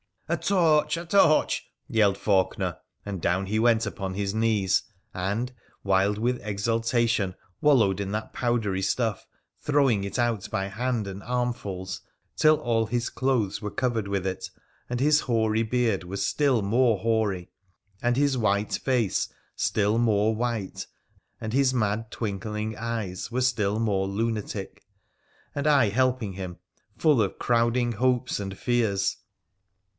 ' A torch ! a torch !' yelled Faulkener, and down he went upon his knees, and, wild with exultation, wallowed in that powdery stuff, throwing it out by hand and arm fuls, till all his clothes were covered with it, and his hoary beard was still more hoary, and his white face still more white, and his mad twinkling eyes were still more lunatic, and I helping him, full of crowding hopes and fears.